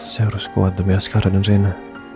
saya harus kuat demi askara dan rena